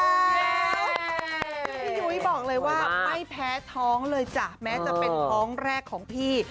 พี่ยุ้ยบอกเลยว่าไม่แพ้ท้องเลยจ้ะแม้จะเป็นท้องแรกของพี่